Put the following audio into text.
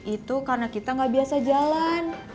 itu karena kita gak biasa jalan